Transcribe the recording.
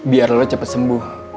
biar lo cepat sembuh